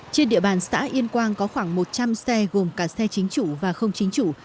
trên địa bàn xã yên quang có khoảng một trăm linh xe gồm cả xe chính chủ và không chính chủ